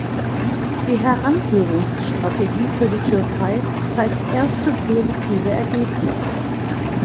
Die Heranführungsstrategie für die Türkei zeigt erste positive Ergebnisse.